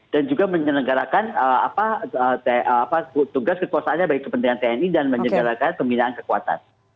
dan juga menyelenggarakan tugas kekuasaannya bagi kepentingan tni dan menyelenggarakan pembinaan kekuatan